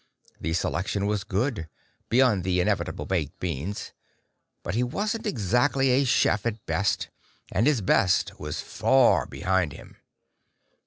The selection was good, beyond the inevitable baked beans; but he wasn't exactly a chef at best, and his best was far behind him.